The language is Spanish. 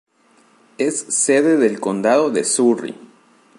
Es sede del condado de Surry.